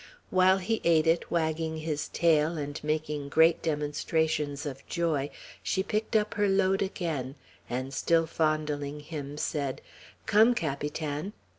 While he ate it, wagging his tail, and making great demonstrations of joy, she picked up her load again, and still fondling him, said, "Come on, Capitan!"